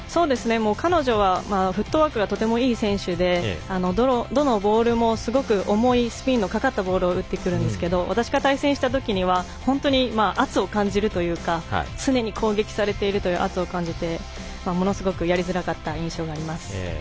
彼女はフットワークがとてもいい選手でどのボールも、すごく重いスピンのかかったボールを打ってくるんですけど私が対戦した時には本当に圧を感じるというか常に攻撃されているという圧を感じてものすごくやりづらかった印象があります。